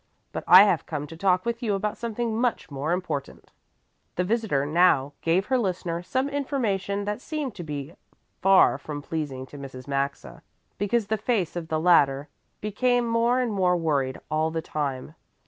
But I have come to talk with you about something much more important." The visitor now gave her listener some information that seemed to be far from pleasing to Mrs. Maxa, because the face of the latter became more and more worried all the time.